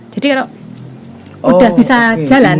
jadi kalau sudah bisa jalan